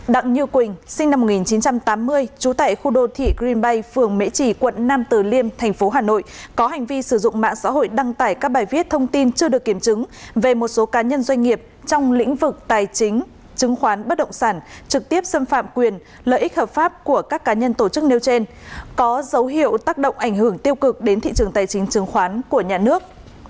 năm một nghìn chín trăm tám mươi trú tại khu đô thị green bay phường mễ chỉ quận nam từ liêm thành phố hà nội có hành vi sử dụng mạng xã hội đăng tải các bài viết thông tin chưa được kiểm chứng về một số cá nhân doanh nghiệp trong lĩnh vực tài chính trứng khoán bất động sản trực tiếp xâm phạm quyền lợi ích hợp pháp của các cá nhân tổ chức nêu trên có dấu hiệu tác động ảnh hưởng tiêu cực đến thị trường tài chính trứng khoán của nhà nước